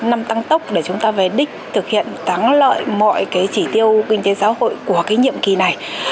năm tăng tốc để chúng ta về đích thực hiện thắng lợi mọi cái chỉ tiêu kinh tế xã hội của cái nhiệm kỳ này